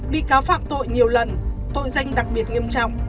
bị cáo phạm tội nhiều lần tội danh đặc biệt nghiêm trọng